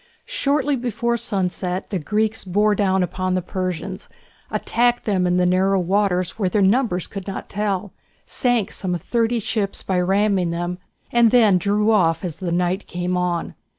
Shortly before sunset the Greeks bore down on the Persians, attacked them in the narrow waters where their numbers could not tell, sank some thirty ships by ramming them, and then drew off as the night came on.